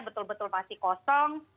betul betul pasti kosong